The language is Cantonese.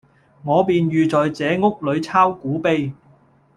我便寓在這屋裏鈔古碑。